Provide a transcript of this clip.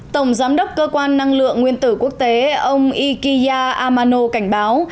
tổng giám đốc cơ quan năng lượng nguyên tử quốc tế ông ikiya amano cảnh báo